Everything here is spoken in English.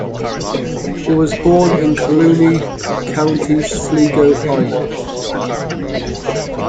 He was born in Collooney, County Sligo, Ireland.